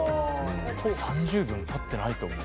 ３０秒もたってないと思う。